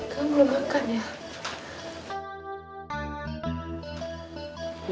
kamu belum makan ya